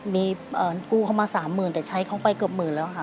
มีกู้เข้ามาสามหมื่นแต่ใช้เขาไปเกือบหมื่นแล้วค่ะ